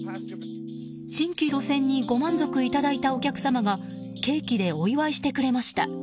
新規路線にご満足いただいたお客様がケーキでお祝いしてくれました。